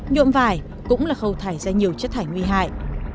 nhuộm vải cũng là khâu thải ra nhiều chất thải nguy hại